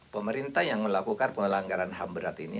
pemerintah yang melakukan pelanggaran ham berat ini